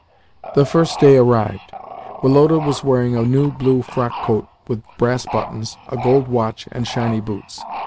The first day arrived. Woloda was wearing a new blue frockcoat with brass buttons, a gold watch, and shiny boots.